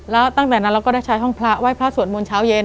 แล้วตั้งแต่นั้นเราก็ได้ใช้ห้องพระไหว้พระสวดมนต์เช้าเย็น